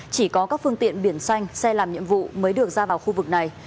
chỉ có các phương tiện biển xanh xe làm nhiệm vụ mới được ra vào khu vực này